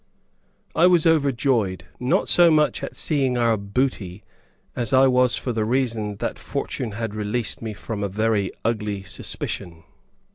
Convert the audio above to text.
I was overjoyed, not so much at seeing our booty, as I was for the reason that Fortune had released me from a very ugly suspicion.